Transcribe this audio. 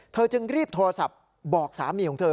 จึงรีบโทรศัพท์บอกสามีของเธอ